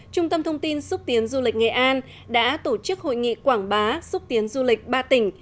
trung tâm thông tin xúc tiến du lịch nghệ an đã tổ chức hội nghị quảng bá xúc tiến du lịch ba tỉnh